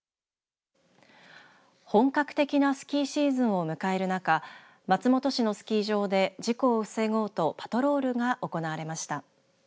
本格的なスキーシーズンを迎えるなか松本市のスキー場で事故を防ごうとパトロールが行われました。